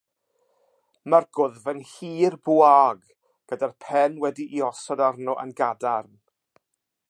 Mae'r gwddf yn hir, bwaog, gyda'r pen wedi'i osod arno'n gadarn.